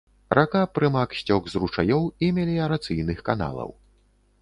Рака прымак сцёк з ручаёў і меліярацыйных каналаў.